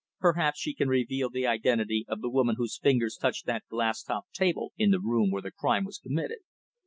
Perhaps she can reveal the identity of the woman whose fingers touched that glass topped table in the room where the crime was committed.